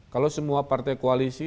kalau semua partai koalisi